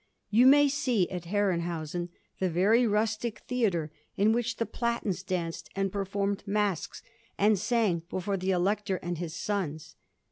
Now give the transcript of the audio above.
... You may see at Herrenhausen the very rustic theatre in which the Platens danced and performed masques and sang before the Elector and his sons.